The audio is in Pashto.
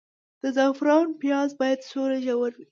د زعفرانو پیاز باید څومره ژور وي؟